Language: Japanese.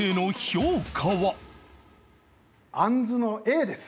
あんずのＡです。